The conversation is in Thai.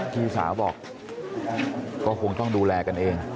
พี่สาวบอกก็คงต้องดูแลกันเอง